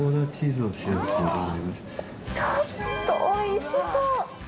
ちょっと、おいしそう。